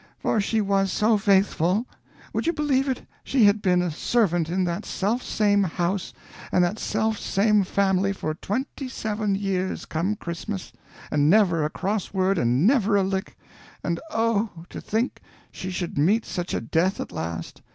For she was so faithful. Would you believe it, she had been a servant in that selfsame house and that selfsame family for twenty seven years come Christmas, and never a cross word and never a lick! And, oh, to think she should meet such a death at last!